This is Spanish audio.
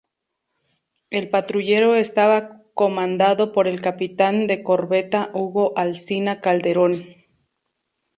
El patrullero estaba comandado por el capitán de corbeta Hugo Alsina Calderón.